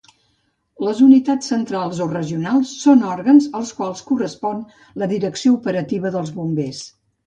Les Unitats Centrals o Regionals són òrgans als quals correspon la direcció operativa dels bombers.